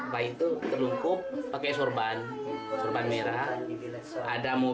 bayi itu terlumpuk pakai sorban sorban merah